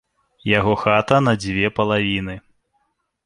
Яго хата на дзве палавіны.